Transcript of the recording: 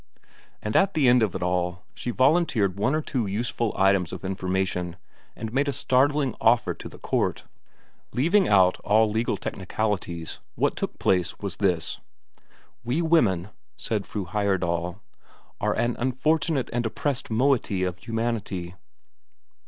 And at the end of it all, she volunteered one or two useful items of information, and made a startling offer to the court. Leaving out all legal technicalities, what took place was this: "We women," said Fru Heyerdahl, "we are an unfortunate and oppressed moiety of humanity.